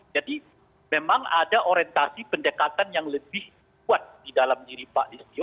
jadi memang ada orientasi pendekatan yang lebih kuat di dalam diri pak listio